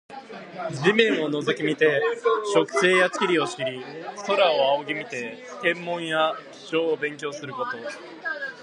地面を覗き見て植生や地理を知り、空を仰ぎ見て天文や気象を勉強すること。